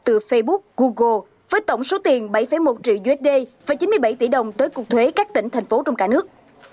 từ facebook google với tổng số tiền bảy một triệu usd và chín mươi bảy tỷ đồng tới cục thuế các tỉnh thành phố trong cả nước